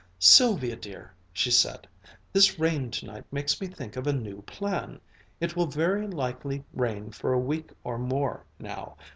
"Sylvia dear," she said, "this rain tonight makes me think of a new plan. It will very likely rain for a week or more now.